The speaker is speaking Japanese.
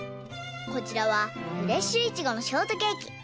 こちらはフレッシュイチゴのショートケーキ。